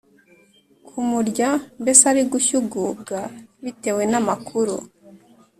kumurya mbese ari gushyugubwa bitewe namakuru